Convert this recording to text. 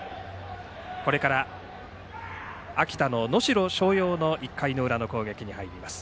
これから秋田の能代松陽の１回の裏の攻撃に入ります。